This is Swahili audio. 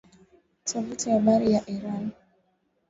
Tovuti ya habari ya Iran